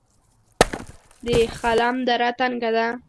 د خلم دره تنګه ده